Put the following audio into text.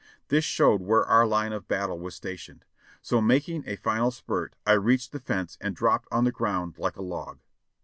This showed where our line of battle was stationed : so making a final spurt I reached the fence and dropped on the ground like a log.